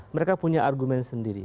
mereka punya argumen sendiri